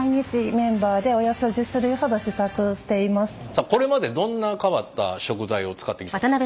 さあこれまでどんな変わった食材を使ってきたんですか？